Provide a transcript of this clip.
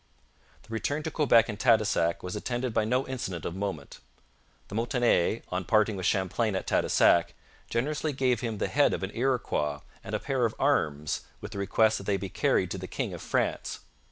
The return to Quebec and Tadoussac was attended by no incident of moment. The Montagnais, on parting with Champlain at Tadoussac, generously gave him the head of an Iroquois and a pair of arms, with the request that they be carried to the king of France.